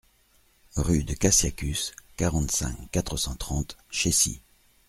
Rue de Caciacus, quarante-cinq, quatre cent trente Chécy